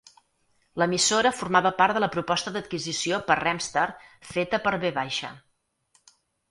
L'emissora formava part de la proposta d'adquisició per Remstar feta per V.